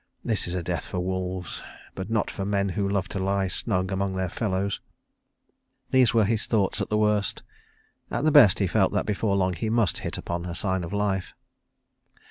This is a death for wolves but not for men who love to lie snug among their fellows." These were his thoughts at the worst; at the best he felt that before long he must hit upon a sign of life.